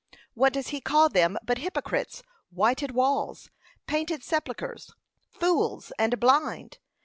What does he call them but hypocrites, whited walls, painted sepulchres, fools, and blind?